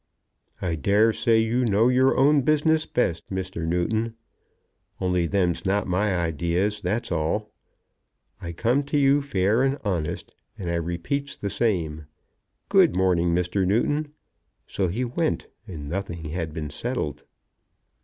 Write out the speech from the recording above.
"I dare say you know your own business best, Mr. Newton; only them's not my ideas; that's all. I come to you fair and honest, and I repeats the same. Good morning, Mr. Newton." So he went, and nothing had been settled.